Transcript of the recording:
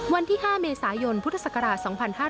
วันที่๕เมษายนพุทธศักราช๒๕๕๙